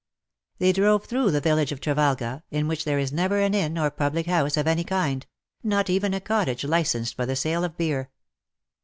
They drove through the village of Trevalga^ in which there is never an inn or public house of any kind — not even a cottage licensed for the sale of beer.